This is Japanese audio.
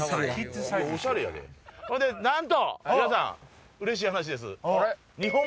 なんと皆さんうれしい話です。